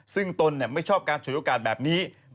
ซึ่งตนไม่ชอบการฉวยโอกาสแบบนี้